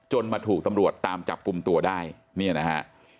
มาถูกตำรวจตามจับกลุ่มตัวได้เนี่ยนะฮะ